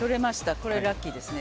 これはラッキーですね。